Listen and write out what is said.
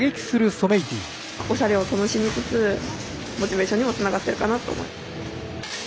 おしゃれを楽しみつつモチベーションにも繋がっているかなと思います。